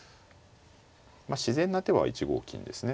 自然な手は１五金ですね